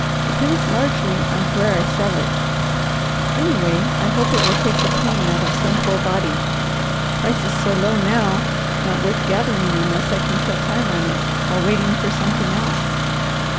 Depends largely on where I sell it. Anyway, I hope it will take the pain out of some poor body. Prices so low now, not worth gathering unless I can kill time on it while waiting for something else.